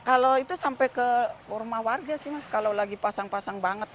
kalau itu sampai ke rumah warga sih mas kalau lagi pasang pasang banget